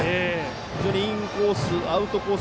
非常にインコース、アウトコース